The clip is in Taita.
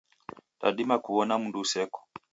Dadima kuw'ona mndu useko.